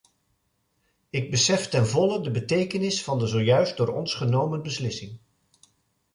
Ik besef ten volle de betekenis van de zojuist door ons genomen beslissing.